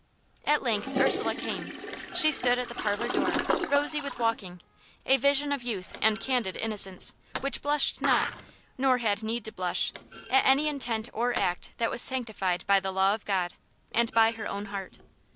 At length Ursula came. She stood at the parlour door, rosy with walking a vision of youth and candid innocence, which blushed not, nor had need to blush, at any intent or act that was sanctified by the law of God, and by her own heart.